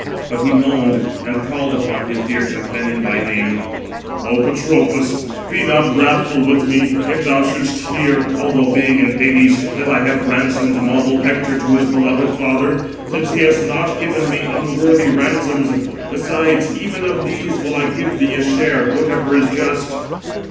But he moaned, and called upon his dear companion by name: "O Patroclus, be not wrathful with me, if thou shouldst hear, although being in Hades, that I have ransomed noble Hector to his beloved father, since he has not given me unworthy ransoms. Besides even of these will I give thee a share, whatever is just."